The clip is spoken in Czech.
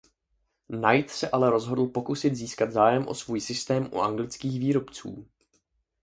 Knight se ale rozhodl pokusit získat zájem o svůj systém u anglických výrobců.